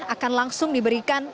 akan langsung diberikan ke kpk